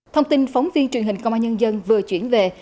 thông tin phóng viên truyền hình công an nhân dân vừa chuyển về